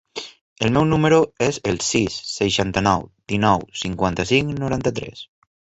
El meu número es el sis, seixanta-nou, dinou, cinquanta-cinc, noranta-tres.